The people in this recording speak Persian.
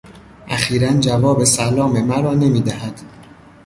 اخیرا جواب سلام مرا نمیدهد.